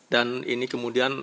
dan ini kemudian